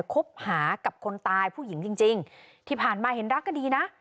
คบหากับคนตายผู้หญิงจริงจริงที่ผ่านมาเห็นรักกันดีนะ